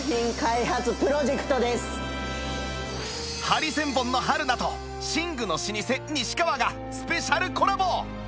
ハリセンボンの春菜と寝具の老舗西川がスペシャルコラボ！